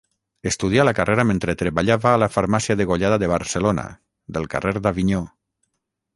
Estudià la carrera mentre treballava a la farmàcia Degollada de Barcelona, del carrer d'Avinyó.